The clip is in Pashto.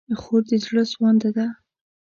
خور د زړه سوانده ده.